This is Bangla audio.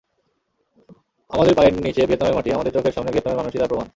আমাদের পায়ের নিচে ভিয়েতনামের মাটি, আমাদের চোখের সামনে ভিয়েতনামের মানুষই তার প্রমাণ।